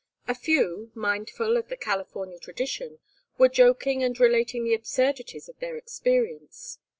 A few, mindful of the California tradition, were joking and relating the absurdities of their experience.